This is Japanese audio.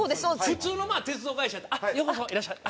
普通の鉄道会社って「ようこそいらっしゃい」。